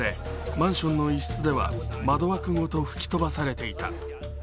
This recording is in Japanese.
マンションの一室では窓枠ごと吹き飛ばされていた。